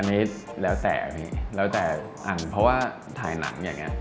อันนี้แล้วแต่พี่แล้วแต่อันเพราะว่าถ่ายหนังอย่างนี้